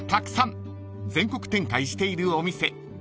［全国展開しているお店］